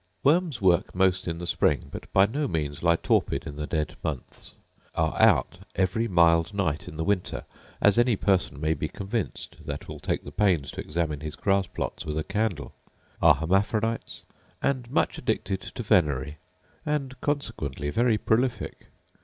Worms work most in the spring; but by no means lie torpid in the dead months; are out every mild night in the winter, as any person may be convinced that will take the pains to examine his grass plots with a candle; are hermaphrodites, and much addicted to venery, and consequently very prolific.